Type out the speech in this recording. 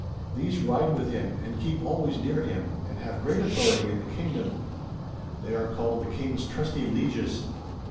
These ride with him, and keep always near him, and have great authority in the kingdom ; they are called the King's Trusty Lieges.